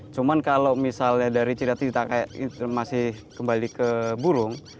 cuma kalau misalnya dari cerita cerita kayak masih kembali ke burung